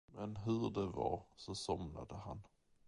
Men hur det var, så somnade han.